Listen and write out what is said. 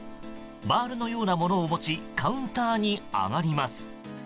バールのようなものを持ちカウンターに上がります。